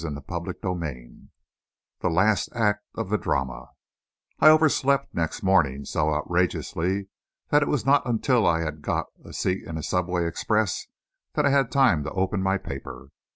CHAPTER XXVII THE LAST ACT OF THE DRAMA I overslept, next morning, so outrageously that it was not until I had got a seat in a subway express that I had time to open my paper.